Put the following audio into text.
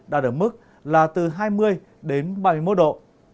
đạt được mức là từ hai mươi ba mươi một độ